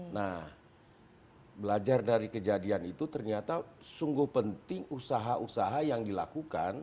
nah belajar dari kejadian itu ternyata sungguh penting usaha usaha yang dilakukan